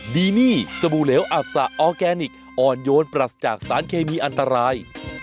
ดีนี่สบู่เหลวอับสะออร์แกนิคอ่อนโยนปรัสจากสารเคมีอันตราย